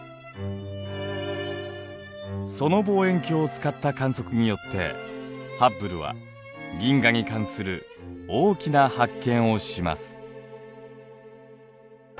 その望遠鏡を使った観測によってハッブルは銀河に関する大きな発見をします。